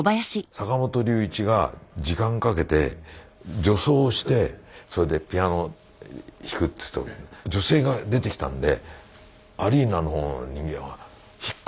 坂本龍一が時間かけて女装をしてそれでピアノを弾くっていうと女性が出てきたんでアリーナの人間は「引っ込め」って誰かが言い始めたの。